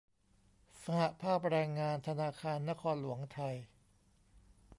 สหภาพแรงงานธนาคารนครหลวงไทย